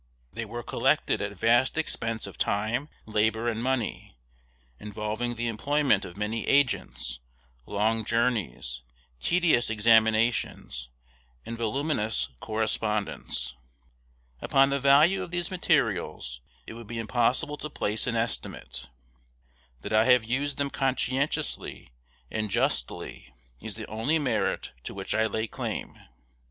They were collected at vast expense of time, labor, and money, involving the employment of many agents, long journeys, tedious examinations, and voluminous correspondence. Upon the value of these materials it would be impossible to place an estimate. That I have used them conscientiously and justly is the only merit to which I lay claim.